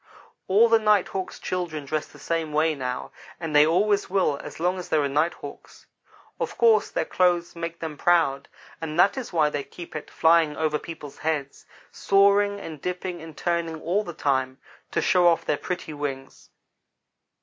"All the Night hawk's children dress the same way now; and they always will as long as there are Night hawks. Of course their clothes make them proud; and that is why they keep at flying over people's heads soaring and dipping and turning all the time, to show off their pretty wings.